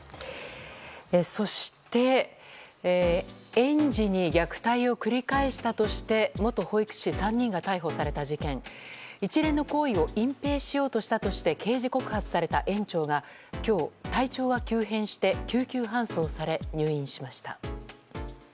そして園児に虐待を繰り返したとして元保育士３人が逮捕された事件一連の行為を隠蔽しようとして刑事告発された園長が今日、体調が急変して救急搬送されて入院しました。